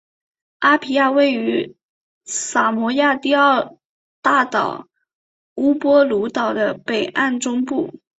阿皮亚位于萨摩亚第二大岛乌波卢岛的北岸中部。